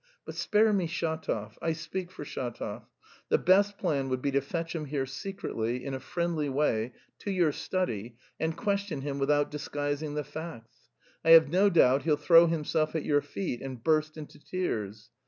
But spare me Shatov. I speak for Shatov.... The best plan would be to fetch him here secretly, in a friendly way, to your study and question him without disguising the facts.... I have no doubt he'll throw himself at your feet and burst into tears!